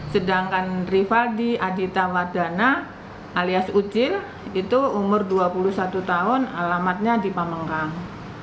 sedangkan rivaldi adita wadana alias ucil itu umur dua puluh satu tahun alamatnya di pamengkang